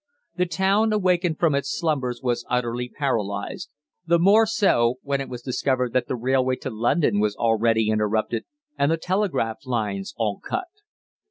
The town, awakened from its slumbers, was utterly paralysed, the more so when it was discovered that the railway to London was already interrupted, and the telegraph lines all cut.